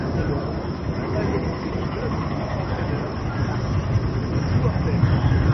Elle regroupe la majorité des clubs, entraineurs, arbitres, joueurs Belges.